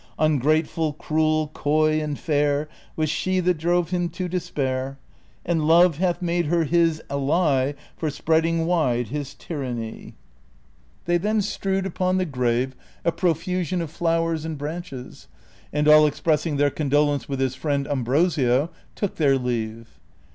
Ungrateful, cruel, coy, and fair, Was she that droA^e him to despair, And Love hath made her his ally For spreading wide his tyranny. 94 DON QUIXOTE. They then strewed upon the grave a profusion of flowers and V)ranches, and all expressing their condolence with his friend Ambrosio, took their leave.